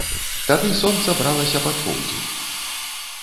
Тады сонца бралася пад поўдзень.